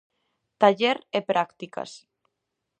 Taller e prácticas.